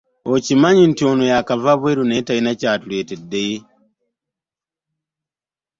Okimanyi nti ono yaakava bwe ru naye talina kyatuletedde.